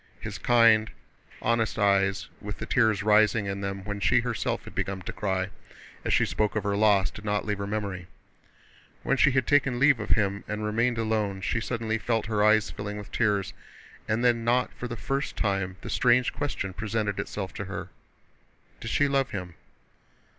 His kind, honest eyes, with the tears rising in them when she herself had begun to cry as she spoke of her loss, did not leave her memory. When she had taken leave of him and remained alone she suddenly felt her eyes filling with tears, and then not for the first time the strange question presented itself to her: did she love him?